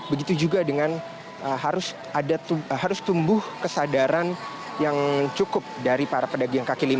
begitu juga dengan harus tumbuh kesadaran yang cukup dari para pedagang kaki lima